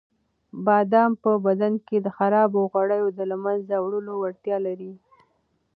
بادام په بدن کې د خرابو غوړیو د له منځه وړلو وړتیا لري.